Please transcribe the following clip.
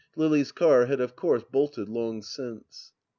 Lily's car had of course bolted long since.